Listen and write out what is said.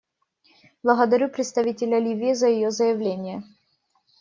Благодарю представителя Ливии за ее заявление.